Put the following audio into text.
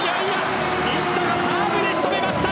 西田のサーブで仕留めました。